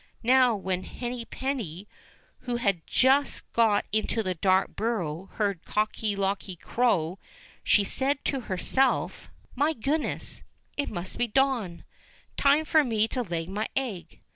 Now when Henny penny, who had just got into the dark burrow, heard Cocky locky crow, she said to herself: 220 ENGLISH FAIRY TALES *' My goodness ! it must be dawn. Time for me to lay my egg."